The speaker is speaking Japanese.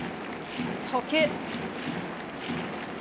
初球。